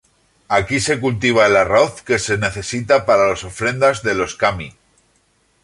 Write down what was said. Aquí se cultiva el arroz que se necesita para las ofrendas de los "kami".